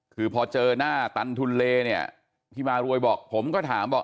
คือพอเจอหน้าตันทุนเลเนี่ยพี่มารวยบอกผมก็ถามบอก